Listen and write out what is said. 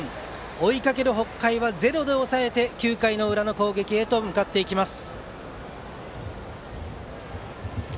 追いかける北海はゼロで抑えて９回の裏の攻撃へ向かっています。